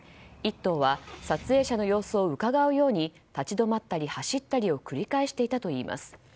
１頭は撮影者の様子をうかがうように立ち止まったり走ったりを繰り返していたといいます。